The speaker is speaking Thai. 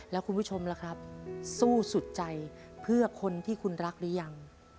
แล้วคุณผู้ชมล่ะครับสู้สุดใจเพื่อคนที่คุณรักหรือยัง